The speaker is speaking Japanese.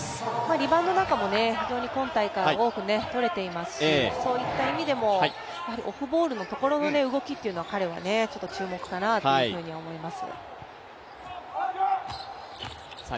リバウンドなんかも今大会多くとれていますしそういった意味でもオフボールのところの動きは彼は注目かなと思います。